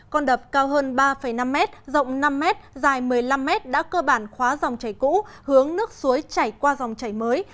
con đập cao hơn ba năm mét rộng năm mét dài một mươi năm mét đã cơ bản khóa dòng chảy cũ hướng nước suối chảy qua dòng chảy mới